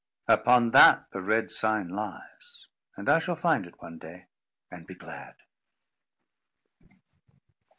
Upon that the red sign lies, and I shall find it one day, and be glad."